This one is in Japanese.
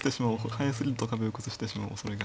早すぎると壁を崩してしまうおそれが。